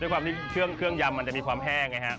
ด้วยความที่เครื่องยำมันจะมีความแห้งนะครับ